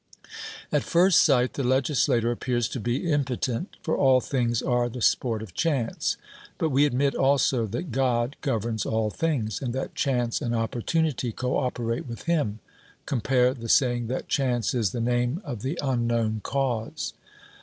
At first sight the legislator appears to be impotent, for all things are the sport of chance. But we admit also that God governs all things, and that chance and opportunity co operate with Him (compare the saying, that chance is the name of the unknown cause).